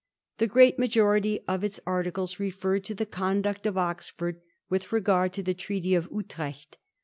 The great majority of its articles referred to the conduct of Oxfprd with regard to the Treaty of Utrecht.